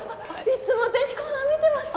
いつもお天気コーナー見てます！